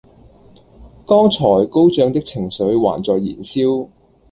剛才高漲的情緒還在燃燒